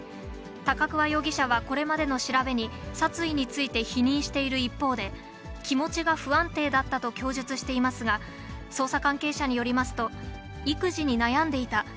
高桑容疑者は、これまでの調べに、殺意について否認している一方で、気持ちが不安定だったと供述していますが、捜査関係者によりますと、育児に悩んでいた。